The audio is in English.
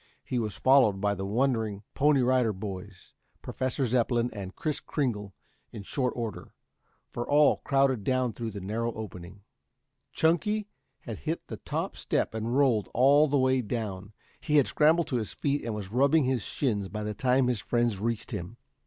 He was followed by the wondering Pony Rider Boys, Professor Zepplin and Kris Kringle in short order, for all crowded down through the narrow opening. Chunky had hit the top step and rolled all the way down. He had scrambled to his feet and was rubbing his shins by the time his friends reached him.